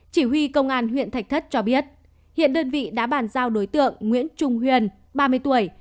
chỉ huy công an huyện thạch thất cho biết hiện đơn vị đã bàn giao đối tượng nguyễn trung huyền ba mươi tuổi